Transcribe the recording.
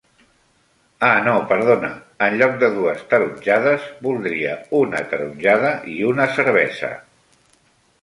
Ah no perdona, enlloc de dues taronjades, voldria una taronjada i una cervesa.